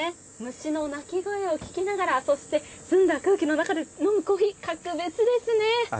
虫の鳴き声を聞きながらそして澄んだ空気の中で飲むコーヒー、格別ですね。